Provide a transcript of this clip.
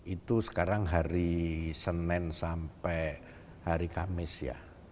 itu sekarang hari senin sampai hari kamis ya